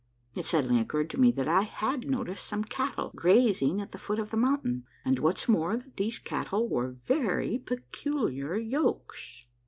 It suddenly occurred to me that I had noticed some cattle grazing at the foot of the mountain, and, what's more, that these cattle wore very peculiar yokes.